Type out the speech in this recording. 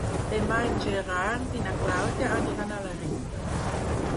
Demà en Gerard i na Clàudia aniran a la Riba.